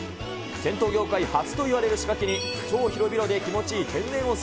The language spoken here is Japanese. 銭湯業界初といわれる仕掛けに、超広々で気持ちいい天然温泉。